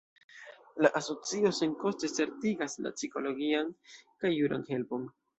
La asocio senkoste certigas la psikologian kaj juran helpon.